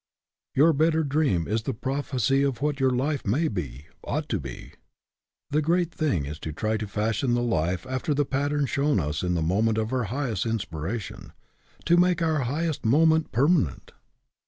Your better dream is the prophecy of what your life may be, ought to be. The great thing is to try to fashion the life after the pattern shown us in the moment of our highest inspiration; to make our highest moment permanent.